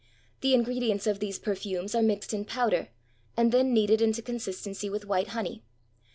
The ingredients of these perfumes are mixed in powder and then kneaded into consist ency with white honey.